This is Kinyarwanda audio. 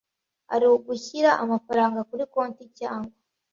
ari ugushyira amafaranga kuri konti cyangwa